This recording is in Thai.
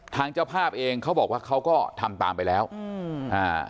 เจ้าภาพเองเขาบอกว่าเขาก็ทำตามไปแล้วอืมอ่า